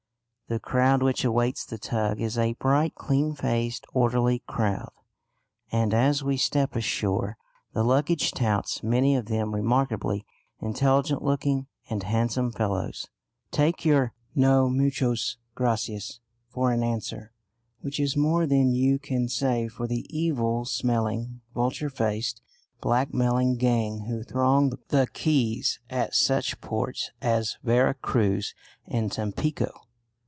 The crowd which awaits the tug is a bright, clean faced, orderly crowd, and as we step ashore, the luggage touts, many of them remarkably intelligent looking and handsome fellows, take your "No, muchas gracias," for an answer, which is more than you can say for the evil smelling, vulture faced, blackmailing gang who throng the quays at such ports as Vera Cruz and Tampico.